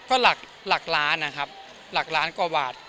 ถ้าเสียไปก็หลักล้านหลักล้านกว่าวาท